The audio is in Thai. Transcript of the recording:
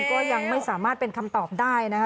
ก็ยังไม่สามารถเป็นคำตอบได้นะคะ